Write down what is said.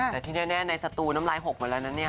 แต่ที่แน่ในสตูน้ำลายหกมาแล้วนั่น